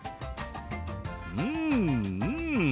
うんうん！